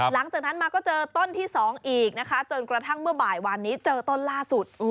หลังจากนั้นมาก็เจอต้นที่๒อีกนะคะจนกระทั่งเมื่อบ่ายวานนี้เจอต้นล่าสุด